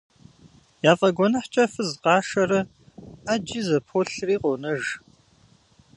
Яфӏэгуэныхькӏэ фыз къашэрэ, ӏэджи зэполъри къонэж.